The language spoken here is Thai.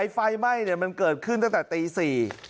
ไฟไหม้มันเกิดขึ้นตั้งแต่ตี๔